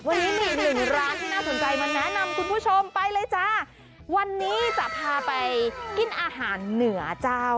วันนี้มีอีกหนึ่งร้านที่น่าสนใจมาแนะนำคุณผู้ชมไปเลยจ้าวันนี้จะพาไปกินอาหารเหนือเจ้า